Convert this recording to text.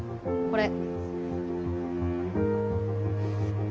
これ。